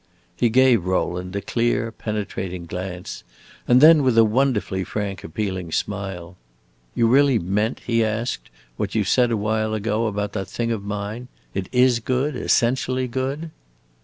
He gave Rowland a clear, penetrating glance, and then, with a wonderfully frank, appealing smile: "You really meant," he asked, "what you said a while ago about that thing of mine? It is good essentially good?"